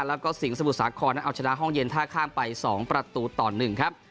แล้วก็สิงห์สมุทรสาครนั้นเอาชนะห้องเย็นท่าข้ามไป๒ประตูต่อ๑ครับ